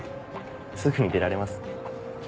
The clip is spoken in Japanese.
すぐに出られます。